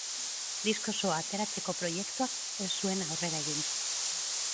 Disko osoa ateratzeko proiektuak ez zuen aurrera egin.